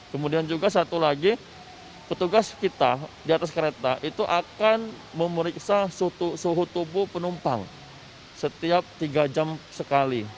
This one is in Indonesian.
kemudian juga satu lagi petugas kita di atas kereta itu akan memeriksa suhu tubuh penumpang setiap tiga jam sekali